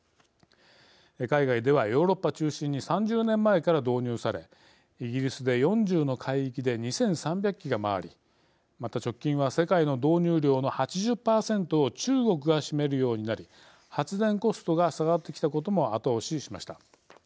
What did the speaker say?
海外ではヨーロッパ中心に３０年前から導入されイギリスで４０の海域で２３００基が回りまた直近は、世界の導入量の８０％を中国が占めるようになり発電コストが下がってきたことも後押ししました。